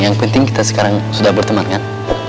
yang penting kita sekarang sudah berteman kan